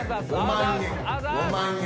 ５万円。